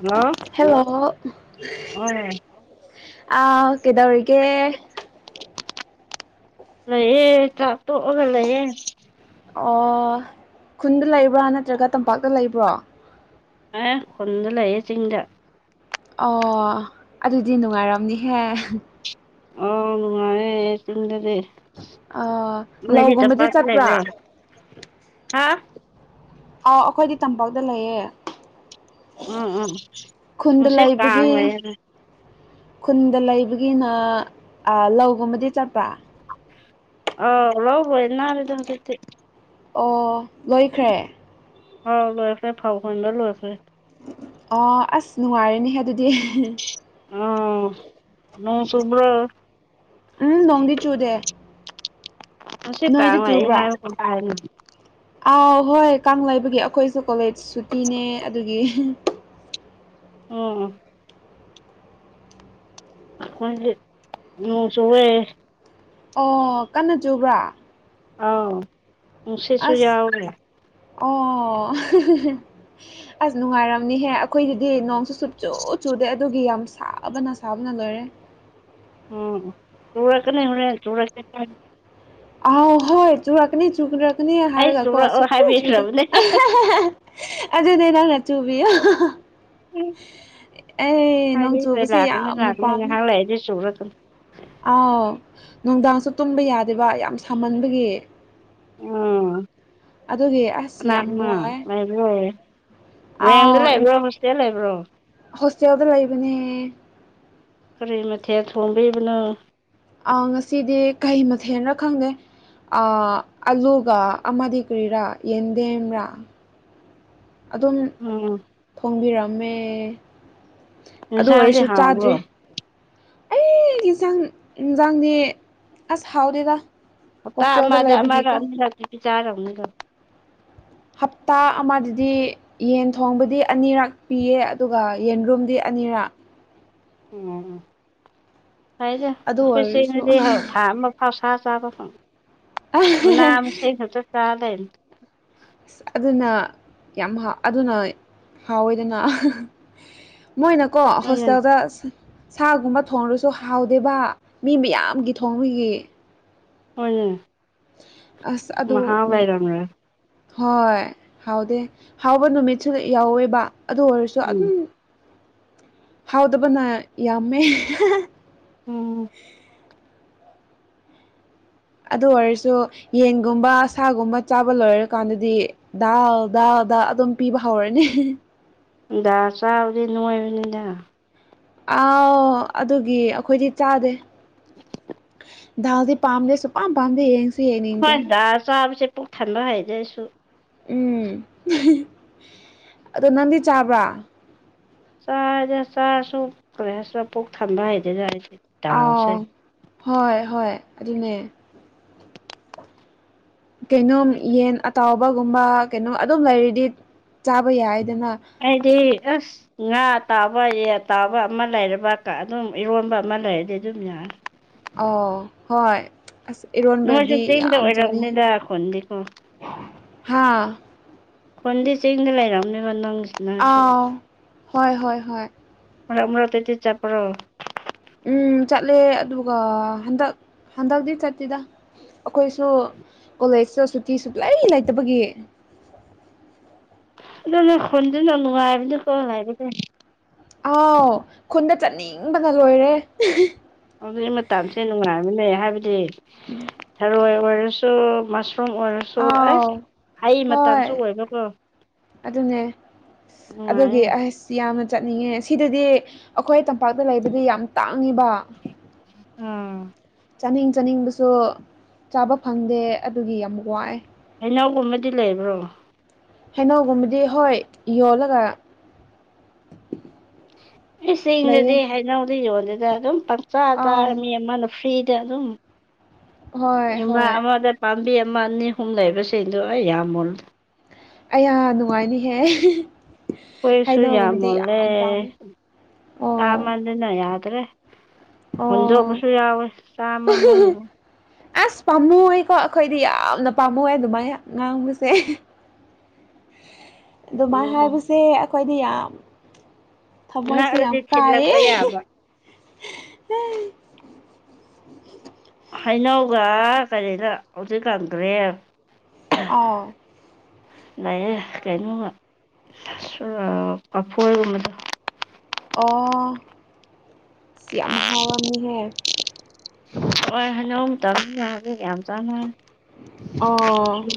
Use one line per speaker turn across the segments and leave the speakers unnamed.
hello
hello
ꯍꯣꯏ
ꯑꯥꯎ ꯀꯩꯗꯧꯔꯤꯒꯦ
ꯂꯩꯌꯦ ꯆꯥꯛ ꯇꯣꯛꯑꯒ ꯂꯩꯌꯦ
ꯑꯣ ꯈꯨꯟꯗ ꯂꯩꯕ꯭ꯔꯥ ꯅꯠꯇ꯭ꯔꯒ ꯇꯝꯄꯥꯛꯇ ꯂꯩꯕ꯭ꯔꯣ
ꯑꯦ ꯈꯨꯟꯗ ꯂꯩꯌꯦ ꯆꯤꯡꯗ
ꯑꯣ ꯑꯗꯨꯗꯤ ꯅꯨꯡꯉꯥꯏꯔꯝꯅꯤꯍꯦ
ꯑꯣ ꯅꯨꯡꯉꯥꯏꯌꯦ ꯆꯤꯡꯗꯗꯤ
ꯑ
ꯅꯣꯏꯗꯤ
ꯂꯧꯒꯨꯝꯕꯗꯤ
ꯇꯝꯄꯥꯛꯇ
ꯆꯠꯄ꯭ꯔꯥ
ꯂꯩꯕ꯭ꯔꫭ ꯍꯥ
ꯑꯥꯎ ꯑꯩꯈꯣꯏꯗꯤ ꯇꯝꯄꯥꯛꯇ ꯂꯩꯌꯦ
ꯎꯝ ꯎꯝ
ꯈꯨꯟꯗ
ꯉꯁꯤ ꯀꯥꯡ
ꯂꯩꯕꯒꯤ
ꯂꯩꯌꯦꯅꯦ
ꯈꯨꯟꯗ ꯂꯩꯕꯒꯤꯅ ꯑꯥ ꯂꯧꯒꯨꯝꯕꯗꯤ ꯆꯠꯄ꯭ꯔꯥ
ꯑ ꯂꯧ ꯂꯣꯏꯅꯔꯦꯗ ꯍꯧꯖꯤꯛꯇꯤ
ꯑꯣ ꯂꯣꯏꯈ꯭ꯔꯦ
ꯑꯧ ꯂꯣꯏꯈ꯭ꯔꯦ ꯐꯧ ꯍꯨꯟꯕ ꯂꯣꯏꯈ꯭ꯔꯦ
ꯑꫭ ꯑꯁ ꯅꯨꯡꯉꯥꯏꯔꯅꯤꯍꯦ ꯑꯗꯨꯗꯤ
ꯎꯝ ꯅꯣꯡ ꯆꯨꯕꯔꫭ
ꯎꯝ ꯅꯣꯡꯗꯤ ꯆꯨꯗꯦ
ꯉꯁꯤ
ꯅꯣꯏꯗ
ꯀꯥꯡ
ꯆꯨꯕ꯭ꯔꯥ
ꯂꯩꯌꯦꯍꯥꯏꯕ ꯀꯩꯅꫭꯝ ꯍꯥꯏꯕꯅꯦ
ꯑꯥꯎ ꯍꯣꯏ ꯀꯥꯡ ꯂꯩꯕꯒꯤ ꯑꯩꯈꯣꯏꯁꯨ ꯀꯣꯂꯦꯖ ꯁꯨꯇꯤꯅꯦ ꯑꯗꯨꯒꯤ
ꯎꯝ ꯑꯩꯈꫭꯏꯗꯤ ꯅꫭꯡ ꯆꯨꯋꯦ
ꯑꯣ ꯀꯟꯅ ꯆꯨꯕ꯭ꯔꯥ
ꯑꯥꯎ ꯅꯨꯡꯁꯤꯠꯁꯨ
ꯑꯁ
ꯌꯥꯎꯔꯦ
ꯑꯣ ꯑꯁ ꯅꯨꯡꯉꯥꯏꯔꯝꯅꯤꯍꯦ ꯑꯩꯈꯣꯏꯗꯗꯤ ꯅꯣꯡꯁꯨ ꯁꯨꯞꯆꯨ ꯆꯨꯗꯦ ꯑꯗꯨꯒꯤ ꯌꯥꯝ ꯁꯥꯕꯅ ꯁꯥꯕꯅ ꯂꯣꯏꯔꯦ
ꯎꯝ ꯆꯨꯔꯛꯀꯅꯤ ꯍꫭꯔꯦꯟ ꯆꯨꯔꯛꯀꯅꯤ
ꯑꯥꯎ ꯍꯣꯏ ꯆꯨꯔꯛꯀꯅꯤ ꯆꯨꯔꯛꯀꯅꯤ
ꯑꯩ
ꯍꯔꯒꯀꯣ
ꯆꯨꯔꯛꯑꯣ
ꯁꯨꯛꯆꯨ ꯆꯨꯗꯦ
ꯍꯥꯏꯕꯤꯈ꯭ꯔꯕꯅꯦ
ꯑꯗꯨꯅꯦ ꯅꯪꯅ ꯆꯨꯕꯤꯌꫭ ꯑꯩ ꯅꯣꯡ ꯆꯨꯕꯁꯦ ꯌꯥꯝꯅ ꯄꯥꯝꯃꯦ
ꯆꯨꯔꯛꯀꯅꫭ
ꯑꯥꯎ ꯅꯨꯡꯗꯥꯡꯁꯨ ꯇꯨꯝꯕ ꯌꯥꯗꯦꯕ ꯌꯥꯝ ꯁꯥꯃꯟꯕꯒꯤ
ꯎꯝ
ꯑꯗꯨꯒꯤ ꯑꯁ
ꯀꯅꯥ
ꯌꯥꯝ
ꯀꯅꯥ
ꯋꯥꯏ
ꯂꯩꯕꯔꫭ ꯔꯦꯡꯗ
ꯑꯥꯎ
ꯂꯩꯕ꯭ꯔꯣ ꯍꯣꯁꯇꯦꯜ ꯂꯩꯕ꯭ꯔꯣ
ꯍꯣꯁꯇꯦꯜꯗ ꯂꯩꯕꯅꯦ
ꯀꯔꯤ ꯃꯊꯦꯜ ꯊꯣꯡꯕꯤꯕꯅꯣ
ꯑꯥ ꯉꯁꯤꯗꯤ ꯀꯩ ꯃꯊꯦꯜꯅ ꯈꯪꯗꯦ ꯑꯂꯨꯒ ꯑꯃꯗꯤ ꯀꯔꯤꯔꯥ ꯌꯦꯟꯗꯦꯝꯔꯥ ꯑꯗꯨꯝ
ꯎꯝ
ꯊꯣꯡꯕꯤꯔꯝꯃꯦ ꯑꯗꯨ
ꯏꯟꯁꯥꯡꯗꯤ
ꯑꯣꯏꯔꯁꯨ
ꯍꯥꯎꯕ꯭ꯔꯣ
ꯆꯥꯗ꯭ꯔꯤ ꯑꯩ ꯌꯦꯟꯁꯥꯡ ꯌꯦꯟꯁꯥꯡꯅꯦ ꯑꯁ ꯍꯥꯎꯗꯦꯗ
ꯍꯞꯇꯥ
ꯍꯣꯁꯇꯦꯜꯗ
ꯑꯃꯗ ꯑꯃꯔꯛ
ꯂꯩꯕꯒꯤꯀꯣ
ꯑꯅꯤꯔꯛꯇꯗꯤ ꯆꯥꯔꯝꯅꯤꯗꯣ
ꯍꯞꯇꯥ ꯑꯃꯗꯗꯤ ꯌꯦꯟ ꯊꯣꯡꯕꯗꯤ ꯑꯅꯤꯔꯛ ꯄꯤꯌꯦ ꯑꯗꯨꯒ ꯌꯦꯟꯔꯨꯝꯗꯤ ꯑꯅꯤꯔꯛ
ꯑꯣꯝ ꯍꯥꯏꯗ
ꯑꯗꯨ
ꯑꯩꯈꯣꯏ
ꯑꯣꯏꯔꯁꯨ
ꯁꯤꯅꯗꯤ ꯊꯥ ꯑꯃ ꯄꯥꯎꯁꯥ ꯆꯥꯕ ꯐꯪ ꯃꯥ [unintelligible]
ꯑꯁ ꯑꯗꯨꯅ ꯌꯥꯝ ꯑꯗꯨꯅ ꯍꯥꯎꯋꯦꯗꯅ ꯃꯣꯏꯅꯀꯣ
ꯍꯣꯏꯅꯦ
ꯍꯣꯁꯇꯦꯜꯗ ꯁꯥꯒꯨꯝꯕ ꯊꯣꯡꯉꯨꯔꯁꯨ ꯍꯥꯎꯗꯦꯕ ꯃꯤ ꯃꯌꯥꯝꯒꯤ ꯊꯣꯡꯕꯒꯤ
[unintelligible]
ꯑꯁ ꯑꯗꯣ
ꯃꯍꯥꯎ ꯂꯩꯔꯝꯂꯣꯏ
ꯍꯣꯏ ꯍꯥꯎꯗꯦ ꯍꯥꯎꯕ ꯅꯨꯃꯤꯠꯁꯨ ꯌꯥꯎꯋꯦꯕ ꯑꯗꯨ ꯑꯣꯏꯔꯁꯨ
ꯎꯝ
ꯑꯗꯨꯝ ꯍꯥꯎꯗꯕꯅ ꯌꯥꯝꯃꯦ [unintelligible]
ꯎꯝ
ꯑꯗꯨ ꯑꯣꯏꯔꯁꯨ ꯌꯦꯟꯒꯨꯝꯕ ꯁꯥꯒꯨꯝꯕ ꯆꯥꯕ ꯂꯣꯏꯔꯀꯥꯟꯗꯗꯤ ꯗꯥꯜ ꯗꯥꯜꯗꯥ ꯑꯗꯨꯝ ꯄꯤꯕ ꯍꯧꯔꯅꯦ
ꯗꯥ ꯆꯥꯕꯗꯤ ꯅꯣꯏꯕꯅꯤꯗ
ꯑꯥꯎ ꯑꯗꯨꯒꯤ ꯑꯩꯈꯣꯏꯗꯤ ꯆꯥꯗꯦ ꯗꯥꯜꯗꯤ ꯄꯥꯝ ꯁꯨꯄꯥꯥꯝ ꯄꯥꯝꯗꯦ ꯌꯦꯡꯅꯤꯡꯗ꯭ꯔꯦ
ꯍꯣꯏꯗ ꯆꯥꯕꯁꯦ ꯄꯨꯛ ꯊꯟꯕ ꯍꯩꯖꯦꯁꯨ
ꯎꯝ [unintelligible] ꯑꯗꯣ ꯅꯪꯗꯤ ꯆꯥꯕ꯭ꯔꯥ
ꯆꯥꯗ ꯆꯥꯔꯁꯨ ꯀꯔꯤ ꯍꯥꯏꯁꯤꯔ ꯄꯨꯛ ꯊꯝꯕ ꯍꯥꯏꯗꯦꯗ ꯑꯩꯗꯤ ꯗꯥꯎꯁꯦ
ꯑꯥꯎ ꯍꯣꯏ ꯍꯣꯏ ꯑꯗꯨꯅꯦ ꯀꯩꯅꯣꯝ ꯌꯦꯟ ꯑꯇꯥꯎꯕꯒꯨꯝꯕ ꯀꯩꯅꯣꯝ ꯑꯗꯨꯝ ꯂꯩꯔꯤꯗꯤ ꯆꯥꯕ ꯌꯥꯏꯗꯅ
ꯑꯩꯗꯤ ꯑꯁ ꯉꯥ ꯇꯥꯕ ꯌꯦ ꯇꯥꯕ ꯑꯃ ꯂꯩꯔꯕ ꯑꯗꯨꯝ ꯏꯔꯣꯟꯕ ꯑꯃ ꯂꯩꯔꯗꯤ ꯑꯗꯨꯝ ꯌꯥꯅꯤ
ꯑꯧ ꯍꯣꯏ ꯑꯁ
ꯅꯣꯏꯁꯨ
ꯏꯔꯣꯟꯕꯗꯤ
ꯆꯤꯡꯗ
ꯌꯥꯝ ꯆꯥꯅꯦ
ꯑꯣꯏꯔꯝꯅꯤꯗ ꯈꯨꯟꯗꯤꯀꯣ
ꯍꯥꯥ
ꯐꯣꯟꯗꯤ ꯆꯤꯡꯗ ꯂꯩꯔꯝꯅꯦꯕ ꯅꯪꯁꯦ
ꯑꯥꯎ ꯍꯣꯏ ꯍꯣꯏ ꯍꯣꯏ
ꯃꯔꯛ ꯃꯔꯛꯇꯗꯤ ꯆꯠꯄ꯭ꯔꯣ
ꯎꯝ ꯆꯠꯂꯦ ꯑꯗꯨꯒ ꯍꯟꯗꯛ ꯍꯟꯗꯛꯇꯤ ꯆꯠꯇꯗ ꯑꯩꯈꯣꯏꯁꯨ ꯀꯣꯂꯦꯖꯁꯣ ꯁꯨꯇꯤ ꯁꯨꯂꯥꯏꯔꯤ ꯂꯩꯇꯕꯒꯤ
ꯑꯗꯨꯅ [unintelligible] ꯅꯨꯡꯉꯥꯏꯕꯅꯤ ꯀꯣ ꯂꯥꯏꯕꯁꯦ
ꯑꯥꯎ ꯈꯨꯟꯗ ꯆꯠꯅꯤꯡꯕꯅ ꯂꯣꯏꯔꯦ
ꯍꯧꯖꯤꯛ ꯃꯇꯝꯁꯦ ꯅꯨꯡꯉꯥꯏꯕꯅꯦ ꯍꯥꯏꯕꯗꯤ
ꯎꯝ
ꯊꯔꯣꯏ ꯑꯣꯏꯔꯁꯨ ꯃ ꯁꯨꯝ ꯑꯣꯏꯔꯁꯨ
ꯑꯥꯎ
ꯑꯦꯁ ꯍꯩ
ꯍꯣꯏ
ꯃꯇꯝꯁꯨ ꯑꯣꯏꯕꯀꯣ
ꯑꯗꯨꯅꯦ ꯑꯗꯨꯒꯤ
ꯅꯨꯡꯉꯥꯏꯌꯦ
ꯑꯁ ꯌꯥꯝꯅ ꯆꯠꯅꯤꯡꯉꯦ ꯁꯤꯗꯗꯤ ꯑꯩꯈꯣꯏ ꯇꯝꯄꯥꯛꯇ ꯂꯩꯗꯗꯤ ꯌꯥꯝ ꯇꯥꯡꯉꯕ
ꯎꯝ
ꯆꯥꯅꯤꯡ ꯆꯥꯅꯤꯡꯕꯁꯨ ꯆꯥꯕ ꯐꯪꯗꯦ ꯑꯗꯨꯒꯤ ꯌꯥꯝ ꯋꯥꯏ
ꯍꯩꯅꯧꯒꯨꯝꯕꯗꯤ ꯂꯩꯕ꯭ꯔꯣ
ꯍꯩꯅꯧꯒꯨꯝꯕꯗꯤ ꯍꯣꯏ ꯌꯣꯜꯂꯒ ꯂꯩꯌꯦ
ꯑꯩ [unintelligible] ꯍꯥꯏꯅꯧꯗꯤ ꯌꯣꯜꯗꯦꯗ ꯑꯗꯨꯝ ꯄꯪꯆꯥꯥ
ꯑꯥꯎ
ꯆꯥꯔ ꯃꯤ ꯑꯃꯅ ꯐ꯭ꯔꯤꯗ ꯑꯗꯨꯝ
ꯍꯣꯏ
ꯏꯃ
ꯍꯣꯏ
ꯑꯃꯗ ꯄꯥꯝꯕꯤ ꯑꯃ ꯑꯅꯤ ꯑꯍꯨꯝ ꯂꯩꯕꯁꯤꯡꯗꯨꯣ ꯑꯩ ꯌꯥꯝꯃꯨ
ꯑꯩꯍ ꯅꯨꯡꯉꯥꯏꯅꯤꯍꯦ
ꯀꯁꯨ ꯌꯥ
ꯍꯩꯅꯧꯒꯨꯝꯕꯗꯤ
ꯃ
ꯌꯥꯝ
ꯂꯩ
ꯄꯥꯝꯃꯦ
ꯇꯥ ꯃ
ꯑꯣ
ꯑꯗꯨꯅ ꯌꯥꯗ꯭ꯔꯦ
ꯑꯣ
ꯍꯣꯟꯗꯣꯛꯄꯁꯨ ꯌꯥꯎꯋꯦ ꯆꯥꯝꯃꯅ
ꯑꯁ ꯄꯥꯝꯃꯏꯀꯣ ꯑꯩꯈꯣꯏꯗꯤ ꯌꯥꯝꯅ ꯄꯥꯝꯃꯋ ꯑꯗꯨꯃꯥꯏꯅ ꯉꯥꯡꯕꯁꯦ ꯑꯗꯨꯃꯥꯏꯅ
ꯑꯣ
ꯍꯥꯏꯕꯁꯦ ꯑꯩꯈꯣꯏꯗꯤ ꯌꯥꯝ ꯊꯃꯣꯏꯁꯦ ꯌꯥꯝ
ꯅꯛꯑꯗꯤ
ꯀꯥꯏꯌꯦ
ꯊꯤꯜꯂꯛꯄ ꯌꯥꯕ ꯍꯩꯅꯧꯒ ꯀꯔꯤꯗ ꯍꯧꯖꯤꯛ ꯀꯥꯟꯈ꯭ꯔꯦ
ꯑꯥꯎ
ꯂꯩꯑꯦ ꯀꯩꯅꯣꯃ ꯑꯐꯣꯏꯒꯨꯝꯕꯗꯣ
ꯑ ꯁꯤꯌꯥ ꯃꯍꯥꯔꯝꯅꯤꯍꯦ
ꯍꯣꯏ ꯍꯅꯣ ꯇ ꯌꯥꯒꯦ ꯌꯥꯝ ꯆꯥꯅ
ꯑꯣ
ꯍꯣꯏ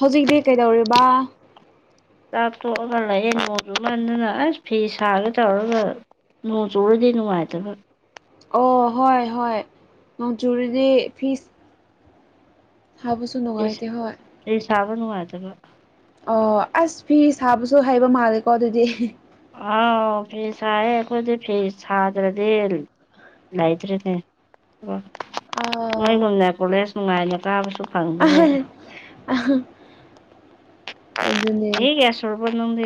ꯍꯧꯖꯤꯛꯇꯤ ꯀꯩꯗꯧꯔꯤꯕ
ꯆꯥꯊꯣꯛꯑꯒ ꯂꯩꯑꯦ ꯅꯣꯡꯗꯨ ꯉꯟꯗꯅ ꯑꯁ ꯐꯤ ꯁꯥꯔꯒ ꯇꯧꯔꯒ ꯅꯣꯡ ꯆꯨꯔꯨꯔꯗꯤ ꯅꯨꯡꯉꯥꯏꯇꯕ
ꯑꯣ ꯍꯣꯏ ꯍꯣꯏ ꯃꯖꯨꯗꯤ ꯐꯤꯁ ꯍꯕꯁꯨ ꯅꯨꯡꯉꯥꯏꯇꯦ ꯍꯣꯏ
ꯑꯩ ꯁꯥꯕ ꯅꯨꯡꯉꯥꯏꯖꯕ
ꯑꯣ ꯑꯁ ꯐꯤ ꯁꯥꯕꯁꯨ ꯍꯩꯕ ꯃꯥꯜꯂꯦꯀꯣ ꯑꯗꯨꯗꯤ
ꯑꯥꯎ ꯐꯤ ꯍꯥꯏꯌꯦ ꯑꯩꯈꯣꯏꯗꯤ ꯐꯤ ꯁꯥꯗ꯭ꯔꯗꯤ ꯂꯩꯇ꯭ꯔꯔꯤꯅꯦ
ꯑꯥꯎ
ꯅꯣꯏꯒꯨꯝꯅ ꯀꯣꯂꯦꯖ ꯅꯨꯡꯉꯥꯏꯅ ꯀꯥꯕꯁꯨ
ꯑ
ꯐꯪꯗ꯭ꯔꯦ
ꯑ ꯑꯗꯨꯅꯦ
ꯍ ꯒꯌꯥꯁ ꯑꯣꯏꯔꯔꯕꯣ ꯅꯪꯗꯤ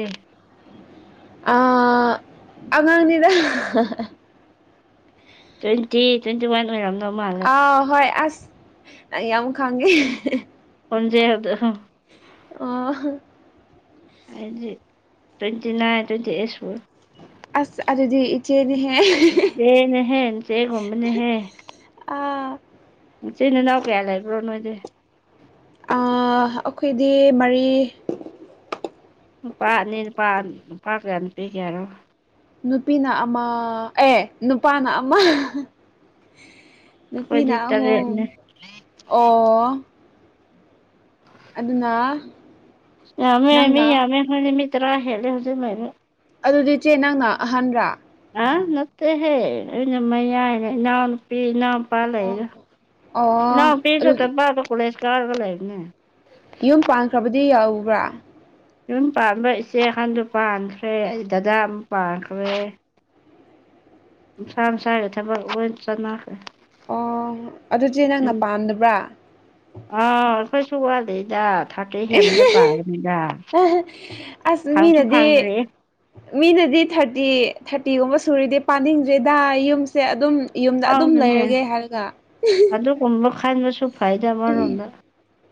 ꯑ ꯑꯉꯥꯡꯅꯤꯗ
ꯇ꯭ꯋꯦꯟꯇꯤ ꯇ꯭ꯋꯦꯟꯇꯤ ꯋꯥꯟ ꯑꯣꯏꯔꯝ
ꯑꯥꯎ ꯍꯣꯏ ꯑꯁ ꯌꯥꯝ ꯈꯪꯉꯦ
ꯑꯣꯖꯦ ꯍꯥꯏꯗ
ꯑꯣ
ꯍꯥꯏꯗꯤ twenty nine twenty eights four
ꯑꯁ ꯑꯗꯨꯗꯤ ꯏꯆꯦꯗꯤꯍꯦ
ꯆꯦꯅꯦ ꯍꯦꯁꯦꯒꯨꯝꯅꯦꯍꯦ
ꯑꯥ
ꯏꯆꯤꯟ ꯏꯅꯥꯎ ꯀꯌꯥ ꯂꯩꯕ꯭ꯔꯣ ꯅꯣꯏꯗꯤ
ꯑꯩꯈꯣꯏꯗꯤ ꯃꯔꯤ
ꯅꯨꯄꯥ ꯑꯅꯤ ꯅꯨꯄꯥ ꯅꯨꯄꯥ ꯀꯌꯥ ꯅꯨꯄꯤꯒꯌꯥꯔꯣ
ꯅꯨꯄꯤꯅ ꯑꯃ ꯑꯦ ꯅꯨꯄꯥꯅ ꯑꯃ ꯅꯨꯄꯤꯅ
ꯑꯩꯈꯣꯏꯗꯤ
ꯑꯍꯨꯝ
ꯇꯔꯦꯠꯅꯦ
ꯑꯣ ꯑꯗꯨꯅ
ꯌꯥꯃꯦ ꯑꯦꯃꯤ
ꯅꯪꯅ
ꯌꯥꯃꯦ ꯍꯃꯤꯇꯔꯥ ꯍꯦꯂ ꯍꯧꯖꯤ ꯃ
ꯑꯗꯨꯗꯤ ꯏꯆꯦ ꯅꯪꯅ ꯑꯍꯥꯟꯕ꯭ꯔ
ꯑ ꯅꯠꯇꯦꯍꯦ ꯑꯩꯅ ꯃꯌꯥꯏꯅꯦ ꯏꯅꯥꯎ ꯅꯨꯄꯤ ꯏꯅꯥꯎ ꯆꯄꯥ ꯂꯩꯔ
ꯑꯣ
ꯏꯅꯥꯎ
ꯑꯣ
ꯄꯤꯁꯨ
ꯑꯗꯨ
ꯆꯄꯥꯗ ꯀꯨꯂꯦꯁ ꯀꯥꯔꯒ ꯂꯩꯕꯅꯦ
ꯌꯨꯝ ꯄꯥꯟꯈ꯭ꯔꯕꯗꯤ ꯌꯥꯎꯕ꯭ꯔꯥ
ꯌꯨꯝ ꯄꯥꯟꯕ ꯏꯆꯦꯀꯥꯟꯗ ꯄꯥꯟꯈ꯭ꯔꯦ ꯑꯩ ꯗꯗꯥ ꯑꯃ ꯄꯥꯟꯈ꯭ꯔꯦ ꯃꯁꯥ ꯅꯨꯡꯁꯥꯒꯤ ꯊꯕꯛ ꯂꯣꯏ ꯆꯠꯅꯈ꯭ꯔꯦ
ꯑꯣ ꯑꯗꯨꯗꯤ ꯅꯪꯅ ꯄꯥꯝꯗꯕ꯭ꯔꯥ
ꯑꯈꯣꯏꯁꯨꯒꯗꯗꯥꯛ ꯊꯥꯔꯇꯦ ꯍꯦꯟꯕꯗ ꯄꯥꯔꯅꯤꯗ
ꯑꯁ
ꯍꯪꯁꯨ
ꯃꯤꯅꯗꯤ
ꯐꯪꯗ꯭ꯔꯦ
ꯃꯤꯅꯗꯤ ꯊꯥꯔꯇꯤ ꯊꯥꯔꯇꯤꯒꯨꯝꯕ ꯁꯨꯔꯤꯗꯤ ꯄꯥꯅꯤꯡꯗ꯭ꯔꯦꯗ ꯌꯨꯝꯁꯦ ꯑꯗꯨꯝ ꯌꯨꯝꯗ ꯑꯗꯨꯝ ꯂꯩꯔꯒꯦ ꯍꯥꯏꯔꯒ
ꯀꯨꯝꯕ ꯈꯟꯕꯁꯨ ꯐꯩꯗ ꯑꯃꯔꯣꯝꯗ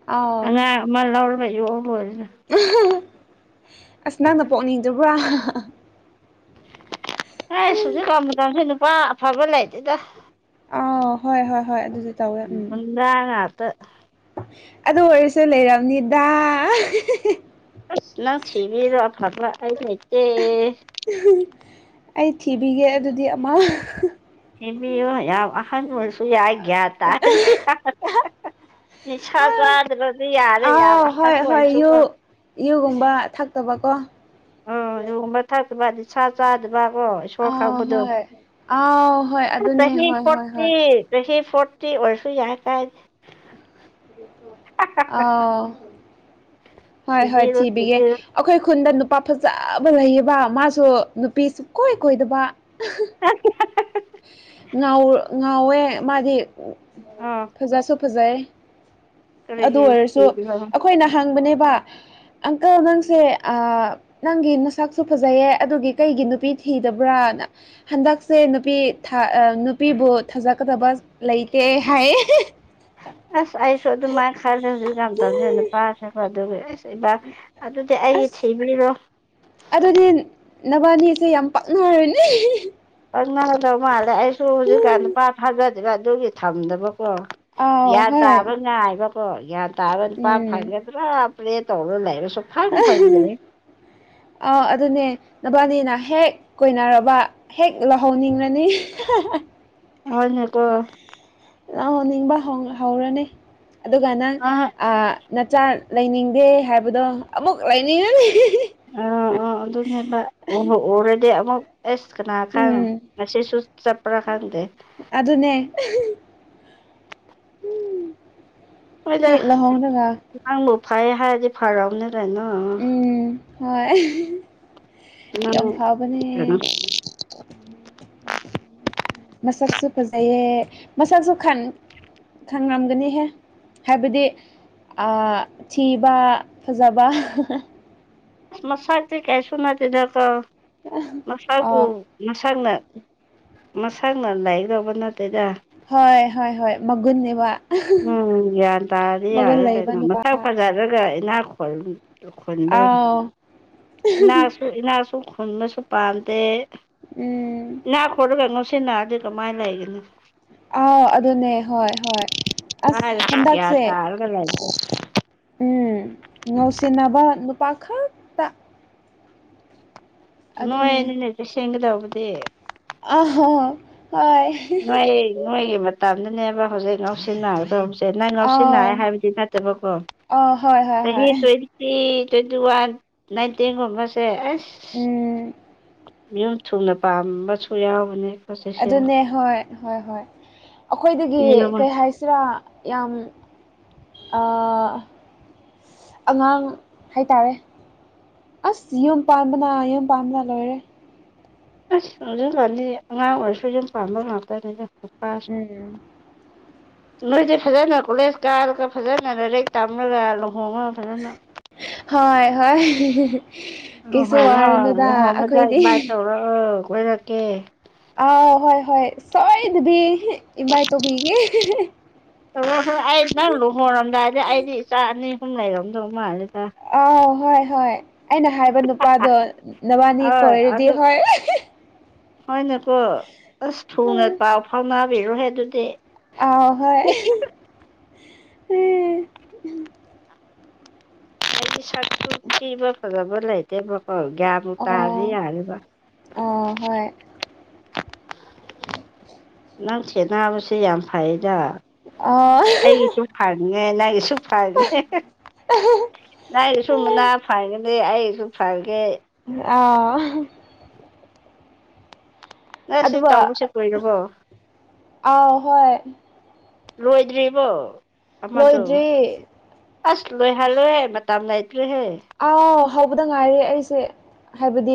ꯑꯥꯎ
ꯑꯉꯥꯡ ꯑꯃ ꯂꯧꯔꯒ ꯌꯣꯛꯑꯒ ꯑꯣꯏꯔꯅ
ꯑꯁ ꯅꯪꯅ ꯄꯣꯛꯅꯤꯡꯗꯕ꯭ꯔꯥ
ꯑꯦ ꯁꯨꯖꯤꯛ ꯀꯁ ꯅꯨꯄꯥ ꯑꯐꯕ ꯂꯩꯇꯦꯗ
ꯑꯥ ꯍꯣꯏ ꯍꯣꯏ ꯍꯣꯏ ꯑꯗꯨꯗꯤ ꯇꯧꯋꯦ ꯎꯝ
ꯉꯇ
ꯑꯗꯨ ꯑꯣꯏꯔꯁꯨ ꯂꯩꯔꯕꯅꯤꯗ
ꯑ ꯅꯪ ꯊꯤꯕꯤꯔꯣ ꯊꯔ ꯍꯥꯏ ꯂꯩꯁꯦ
ꯑꯩ ꯊꯤꯕꯤꯒꯦ ꯑꯗꯨꯗꯤ ꯑꯃ
ꯁꯦꯝꯕꯤꯌꯣ ꯌꯥꯝ ꯑꯍꯟ ꯑꯣꯏꯔꯁꯨ ꯌꯥꯏꯒꯌꯥ ꯇꯥꯔꯗꯤ ꯅꯤꯁꯥ ꯆꯥꯗ꯭ꯔꯗꯤ ꯌꯥꯔꯦ ꯌꯥꯝꯕ
ꯑꯥꯎ ꯍꯣꯏ
ꯑꯍꯟꯕ
ꯍꯣꯏ
ꯑꯣꯏꯅꯁꯨ
ꯌꯨ ꯌꯨꯒꯨꯝꯕ ꯊꯛꯇꯕꯀꯣ
ꯑꯣ ꯑꯗꯨꯒꯨꯝꯕ ꯊꯛꯇꯕꯗꯤ ꯁꯥ ꯆꯥꯗꯕꯀꯣ ꯏꯁꯣꯔ
ꯑꯥꯎ
ꯀꯥꯛꯄꯗꯣ
ꯍꯣꯏ ꯑꯥꯎ ꯍꯣꯏ ꯑꯗꯨꯅꯦ
ꯆꯍꯤ
ꯍꯣꯏ ꯍꯣꯏ
ꯄꯣꯠꯇ꯭ꯔꯤ
ꯍꯣꯏ
ꯔ ꯐꯣꯔꯠꯇꯤ ꯑꯣꯏꯔꯁꯨ ꯌꯥꯏ ꯀꯥꯏ
ꯑ ꯍꯣꯏ ꯍꯣꯏ
ꯊꯤꯕꯤꯔꯣ
ꯊꯤꯕꯤꯒꯦ
ꯊꯤꯕꯤꯔꯣ
ꯑꯩꯈꯣꯏ ꯈꯨꯟꯗ ꯅꯨꯄꯥ ꯐꯖꯕ ꯂꯩꯌꯦꯕ ꯃꯥꯁꯨ ꯅꯨꯄꯤ ꯁꯨꯡꯀꯣꯏ ꯀꯣꯏꯗꯕ
ꯑ
ꯉꯥꯎ ꯉꯥꯎꯋꯦ ꯃꯥꯗꯤ
ꯑꯥ
ꯐꯖꯁꯨ ꯐꯖꯩ ꯑꯗꯨ
ꯀꯔꯤꯒꯤ
ꯑꯣꯏꯔꯁꯨ
ꯊꯤꯗꯕ
ꯑꯩꯈꯣꯏꯅ ꯍꯥꯡꯕꯅꯦꯕ ꯑꯪꯀꯜ ꯅꯪꯁꯦ ꯅꯪꯒꯤ ꯅꯁꯛꯁꯨ ꯐꯖꯩꯌꯦꯦ ꯑꯗꯨꯒꯤ ꯀꯩꯒꯤ ꯅꯨꯄꯤ ꯊꯤꯗꯕ꯭ꯔꯥꯅ ꯍꯟꯗꯛꯁꯦ ꯅꯨꯄꯤ ꯅꯨꯄꯤꯕꯨ ꯊꯥꯖꯀꯗꯕ ꯂꯩꯇꯦ ꯍꯥꯏ
ꯑꯁ ꯑꯩꯁꯨ ꯑꯗꯨꯝ ꯃꯥꯏꯅ ꯈꯜꯗꯦ ꯍꯧꯖꯤꯛ ꯀ ꯇꯧꯁꯦꯅ ꯄꯥꯕꯁ ꯏꯕ ꯑꯗꯨꯗꯤ ꯑꯩꯒꯤ
ꯑꯁ
ꯊꯤꯕꯩꯔꯣ
ꯑꯗꯨꯗꯤ ꯅꯕꯥꯅꯤꯁꯦ ꯌꯥꯝ ꯄꯥꯛꯅꯔꯅꯤ
ꯀ ꯉꯗꯧ ꯃꯥꯜꯂꯦ ꯑꯩꯁꯨ ꯍꯧꯖꯤꯛꯀꯥꯟ ꯅꯨꯄꯥ ꯐꯥꯖꯗꯔꯤꯕ ꯑꯗꯨꯒꯤ ꯊꯝꯗꯕꯀꯣ
ꯑꯥꯎ
ꯒ꯭ꯌꯥꯟ
ꯍꯣꯏ
ꯇꯥꯕ ꯉꯥꯏꯕꯀꯣ ꯒ꯭ꯌꯥꯟ ꯇꯥꯕ ꯅꯨꯄꯥ
ꯎꯝ
ꯐꯪꯒ ꯄꯨꯥ ꯄ꯭ꯂꯦ ꯇꯧꯔ ꯂꯩ ꯍꯥꯏꯔ ꯁ
ꯑꯥꯎ ꯑꯗꯨꯅꯦ ꯅꯕꯥꯅꯤꯅ ꯍꯦꯛ ꯀꯣꯏꯅꯔꯕ ꯍꯦꯛ ꯂꯧꯍꯧꯅꯤꯡꯉꯅꯤ
ꯍꯅꯦꯀꯣ
ꯂꯪꯍꯟꯅꯤꯡꯕ ꯍꯧꯔꯅꯤ ꯑꯗꯨꯒ ꯅꯪ
ꯑꯥ
ꯅꯆꯥ ꯂꯩꯅꯤꯡꯗꯦ ꯍꯥꯏꯕꯗꯣ ꯑꯃꯨꯛ ꯂꯩꯅꯤꯡꯉꯅꯤ
ꯑꯥ ꯑꯥ ꯑꯗꯨꯅꯦꯕ ꯎ ꯎꯔꯗꯤ ꯑꯃꯨꯛ ꯑꯦꯁ ꯀꯅꯥ ꯈꯪꯉ
ꯎꯝ
ꯉꯁꯤꯁꯨ ꯆꯠꯄ꯭ꯔꯥ ꯈꯪꯗꯦ
ꯑꯗꯨ ꯑꯗꯨꯅꯦ ꯎ
ꯍꯣꯏꯗ ꯅꯪꯕꯨ ꯐꯩ ꯍꯥꯏꯔꯗꯤ ꯐꯔꯔꯕꯅꯤꯗꯅꯣ
ꯎꯝ ꯍꯣꯏ ꯌꯥꯝ
ꯀꯩꯅꯣ
ꯐꯕꯅꯦ ꯃꯩꯁꯛꯁꯨ ꯐꯖꯩꯌꯦ ꯃꯩꯁꯛꯁꯨ ꯈꯥꯟ ꯈꯪꯂꯝꯒꯅꯤꯍꯦ ꯍꯥꯏꯕꯗꯤ ꯊꯤꯕ ꯐꯖꯥ
ꯑ ꯃꯁꯥꯛꯗꯤ ꯀꯥꯏꯁꯨ ꯅꯠꯇꯗꯀ
ꯑ
ꯃꯁꯥꯛꯕꯨ ꯃꯁꯥꯅ ꯃꯁꯥꯅ ꯂꯥꯏꯔꯤꯛ ꯇꯧꯕ ꯅꯠꯇꯦꯗ
ꯍꯣꯏ ꯍꯣꯏ ꯍꯣꯏ ꯃꯒꯨꯟꯅꯦꯕ
ꯎꯝ ꯒ꯭ꯌꯥꯟ ꯇꯥꯗꯤ
ꯃꯒꯨꯟ
ꯌꯥꯔꯦ
ꯂꯩꯕ
ꯀꯩꯅꯣ
ꯅꯨꯄꯥ
ꯃꯊꯛ ꯐꯖꯔꯒ ꯏꯅꯥꯛ ꯈꯨꯣꯜ ꯈꯨꯟꯕ
ꯑꯥꯎ
ꯏꯅꯥꯁꯨ ꯏꯅꯥꯁꯨ ꯈꯨꯟꯕꯁꯨ ꯄꯥꯝꯗꯦ
ꯎꯝ
ꯏꯅꯥ ꯈꯨꯜꯂꯒ ꯅꯨꯡꯁꯤꯅꯗꯔꯗꯤ ꯀꯃꯥꯏꯟ ꯂꯩꯒꯅꯤ
ꯑꯥ ꯑꯗꯨꯅꯦ ꯍꯣꯏ ꯍꯣꯏ ꯑꯁ
ꯂꯥꯏꯔꯁꯨ ꯒ꯭ꯌꯥꯟ
ꯍꯟꯗꯛꯁꯦ
[unintelligible]
ꯎꯝ ꯅꯨꯡꯁꯤꯅꯕ ꯅꯨꯄꯥ ꯈꯛ ꯑꯗꯨꯅꯦ
ꯅꯣꯏꯅꯤꯅꯦ ꯆꯦꯛꯁꯤꯟꯒꯗꯧꯕꯗꯤ
ꯑꯍꯣ ꯍꯣꯏ
ꯅꯣꯏ ꯅꯣꯏꯒꯤ ꯃꯇꯝꯗꯅꯦꯕ ꯍꯧꯖꯤꯛ ꯉꯧꯁꯤꯅꯥꯕꯗꯣ ꯅꯪ
ꯑꯥꯎ
ꯉꯥꯎꯁꯤꯟꯅꯩ ꯍꯥꯏꯕꯗꯤ ꯅꯠꯇꯕꯀꯣ
ꯑꯥ ꯍꯣꯏ ꯍꯣꯏ
ꯆꯍꯤ
ꯍꯣꯏ
[unintelligible] ꯇꯤ ꯇ꯭ꯋꯦꯟꯇꯤꯋꯥꯟ ꯅꯥꯏꯟꯇꯤꯟꯒꯨꯝꯕꯁꯦ ꯑꯁ
ꯎꯝ
ꯃꯌꯨꯝ ꯊꯨꯅ ꯄꯥꯝꯕꯁꯨ ꯌꯥꯎꯕꯅꯤ
ꯑꯗꯨꯅꯦ ꯍꯣꯏ ꯍꯣꯏ ꯍꯣꯏ ꯑꯩꯈꯣꯏꯗꯒꯤ ꯀꯩ ꯍꯥꯏꯁꯤꯔꯥ ꯌꯥꯝ ꯑ ꯑꯉꯥꯡ ꯍꯥꯏꯇꯥꯔꯦ ꯑꯁ ꯌꯨꯝ ꯄꯥꯟꯕꯅ ꯌꯨꯝ ꯄꯥꯟꯕꯅ ꯂꯣꯏꯔꯦ
ꯑꯁ [unintelligible] ꯑꯉꯥꯡ ꯑꯣꯏꯔꯁꯨ ꯌꯨꯝ ꯄꯥꯟꯕ ꯉꯥꯛꯇꯅꯤꯗ ꯅꯣꯏꯗꯤ ꯐꯖꯅ ꯀꯣꯂꯦꯖ ꯀꯥꯔꯒ ꯐꯖꯅ ꯂꯥꯏꯔꯤꯛ ꯇꯝꯔꯒ ꯂꯨꯍꯣꯡꯉꯣ ꯐꯖꯅ
ꯍꯣꯏ ꯍꯣꯏ ꯀꯩꯁꯨ ꯋꯥꯔꯨꯅꯨꯗꯥ ꯑꯩꯈꯣꯏꯗꯤ
ꯑ ꯀꯣꯏꯔꯛꯀꯦ
ꯑꯥꯎ ꯍꯣꯏ ꯍꯣꯏ ꯁꯣꯏꯗꯕꯤ ꯏꯟꯚꯥꯏꯠ ꯇꯧꯕꯤꯒꯦ
ꯇꯧꯔꯛꯑꯣ ꯆꯥ ꯑꯅꯤ ꯑꯍꯨꯝ ꯂꯩꯔꯣꯝꯗꯧ ꯃꯥꯜꯂꯦꯗ
ꯑꯥꯎ ꯍꯣꯏ ꯍꯣꯏ ꯑꯩꯅ ꯍꯥꯏꯕ ꯅꯨꯄꯥꯗꯣ ꯅꯕꯥꯅꯤ ꯀꯣꯏꯔꯗꯤ ꯍꯣꯏ
ꯍꯣꯏꯅꯀꯣ ꯑꯁ ꯊꯨꯅ ꯄꯥꯎ ꯐꯥꯎꯅꯕꯤꯔꯨꯍꯦ ꯑꯗꯨꯗꯤ
ꯑ ꯍꯣꯏ [unintelligible]
ꯑꯩꯗꯤ ꯁꯛꯇꯨ ꯊꯤꯕ ꯐꯖꯕ ꯂꯩꯇꯦꯕꯀꯨ ꯒ꯭ꯌꯥꯟ ꯕꯨ ꯇꯥꯔꯗꯤ
ꯑꯣ
ꯌꯥꯔꯤꯕ
ꯑꯣ ꯍꯣꯏ [inaudible]
ꯅꯪ ꯁꯦꯠꯅꯕꯁꯦ ꯌꯥꯝ ꯐꯩꯗ
ꯑ
ꯑꯩꯒꯤꯁꯨ ꯐꯪꯉꯦ ꯅꯪꯒꯤꯁꯨ ꯐꯪꯉꯦ ꯅ ꯑꯩꯒꯤꯁꯨ ꯃꯅꯥ [unintelligible] ꯑꯩꯁꯨ ꯐꯒꯦ
ꯑꯥ
ꯅꯪ ꯁꯤ
ꯑꯗꯨꯒ
ꯇꯧꯕꯁꯤ ꯀꯨꯏꯔꯕꯣ
ꯑꯥꯎ ꯍꯣꯏ
ꯂꯣꯏꯗ꯭ꯔꯤꯕꯣ ꯑꯃꯗꯨ
ꯂꯣꯏꯗ꯭ꯔꯤ
ꯑꯁ ꯂꯣꯏꯍꯜꯂꯣꯍꯦ ꯃꯇꯝ ꯂꯩꯇ꯭ꯔꯦꯍꯦ
ꯑꯥꯎ ꯍꯧꯕꯗ ꯉꯥꯏꯔꯤ ꯑꯩꯁꯦ ꯍꯥꯏꯕꯗꯤ